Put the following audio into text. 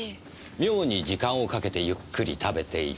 妙に時間をかけてゆっくり食べていた。